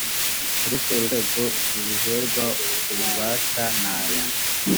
uretse urwego rubiherwa ububasha n aya